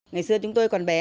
ngày xưa chúng tôi còn bé